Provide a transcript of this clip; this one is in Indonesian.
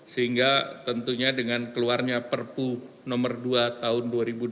sehingga tentunya dengan keluarnya perpu nomor dua tahun dua ribu dua puluh